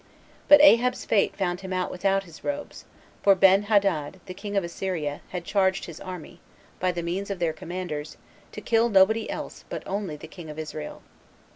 43 But Ahab's fate found him out without his robes; for Benhadad, the king of Assyria, had charged his army, by the means of their commanders, to kill nobody else but only the king of Israel.